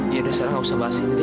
ya udah sekarang gak usah bahasin dre